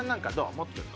持ってるの？